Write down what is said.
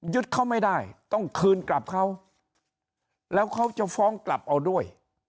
ยึดเขาไม่ได้ต้องคืนกลับเขาแล้วเขาจะฟ้องกลับเอาด้วย